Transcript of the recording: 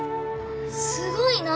すごいな。